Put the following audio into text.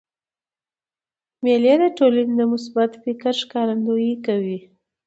مېلې د ټولني د مثبت فکر ښکارندویي کوي.